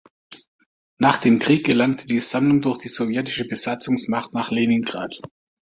Nach dem Krieg gelangte die Sammlung durch die sowjetische Besatzungsmacht nach Leningrad.